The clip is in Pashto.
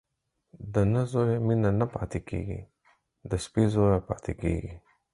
د نه زويه مينه نه پاتېږي ، د سپي زويه پاتېږي.